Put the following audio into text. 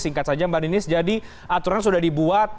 singkat saja mbak ninis jadi aturan sudah dibuat